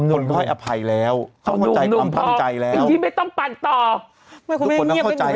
เกรงข้อสอบเกรงข้อสอบเกรงข้อสอบเกรงข้อสอบ